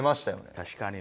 確かにね。